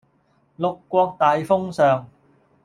六國大封相